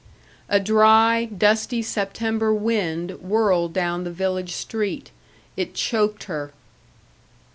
A dry, dusty September wind whirled down the village street. It choked her.